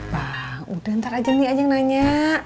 bang udah ntar aja ini aja nanya